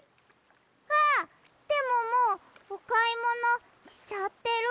あっでももうおかいものしちゃってる！